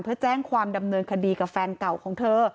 เพื่อแจ้งความดำเนินคดีกับแฟนเก่าของเธอ